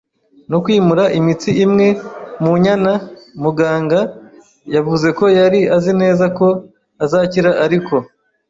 no kwimura imitsi imwe mu nyana. Muganga yavuze ko yari azi neza ko azakira, ariko